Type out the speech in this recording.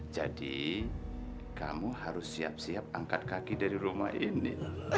kamu harus siap siap angkat kaki dari rumah ini